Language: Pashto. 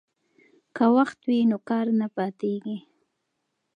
که وخت وي نو کار نه پاتیږي.